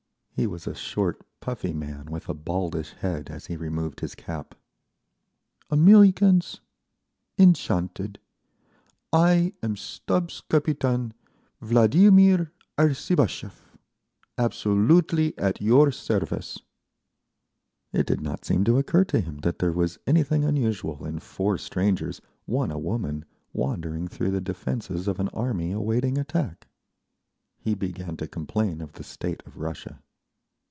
He was a short, puffy man with a baldish head as he removed his cap. "Americans? Enchanted. I am Stabs—Capitan Vladimir Artzibashev, absolutely at your service." It did not seem to occur to him that there was anything unusual in four strangers, one a woman, wandering through the defences of an army awaiting attack. He began to complain of the state of Russia.